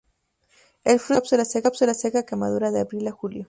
El fruto es una cápsula seca que madura de abril a julio.